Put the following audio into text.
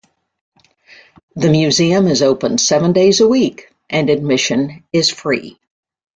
The museum is open seven days a week and admission is free.